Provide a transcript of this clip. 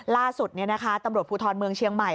ล่าสุดตำรวจภูทรเมืองเชียงใหม่